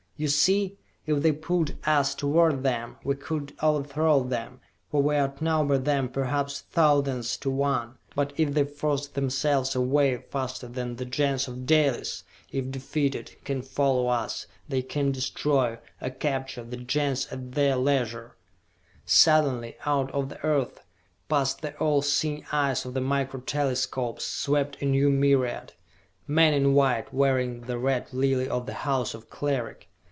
You see? If they pulled us toward them, we could overthrow them, for we outnumber them perhaps thousands to one; but if they force themselves away faster than the Gens of Dalis, if defeated, can follow us, they can destroy, or capture, the Gens at their leisure!" Suddenly, out of the Earth, past the all seeing eyes of the Micro Telescopes, swept a new myriad. Men in white, wearing the Red Lily of the House of Cleric!